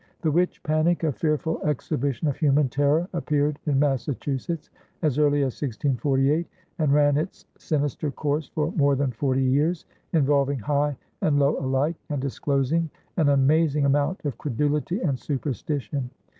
The witch panic, a fearful exhibition of human terror, appeared in Massachusetts as early as 1648, and ran its sinister course for more than forty years, involving high and low alike and disclosing an amazing amount of credulity and superstition.